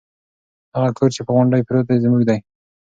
هغه کور چې په غونډۍ پروت دی زموږ دی.